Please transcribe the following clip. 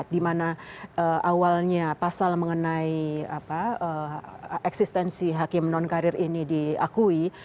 dimana awalnya pasal mengenai eksistensi hakim non karir ini diakui